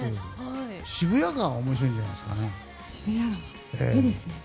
渋谷川面白いんじゃないですかね。